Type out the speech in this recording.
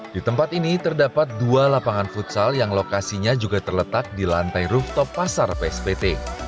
di tempat ini terdapat dua lapangan futsal yang lokasinya juga terletak di lantai rooftop pasar pspt